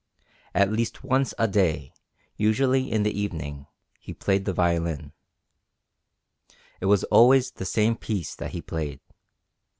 At least once a day, usually in the evening, he played the violin. It was always the same piece that he played.